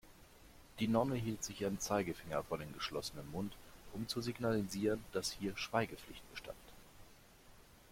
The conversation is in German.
Die Nonne hielt sich ihren Zeigefinger vor den geschlossenen Mund, um zu signalisieren, dass hier Schweigepflicht bestand.